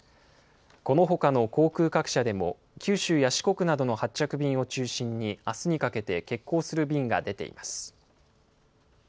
このほかの航空各社でも九州や四国などの発着便を中心にあすにかけて欠航する便が出ています。